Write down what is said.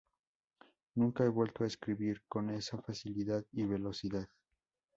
Nunca he vuelto a escribir con esa facilidad y velocidad.